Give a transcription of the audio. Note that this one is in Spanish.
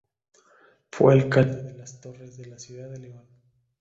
Fue alcalde de las Torres de la ciudad de León.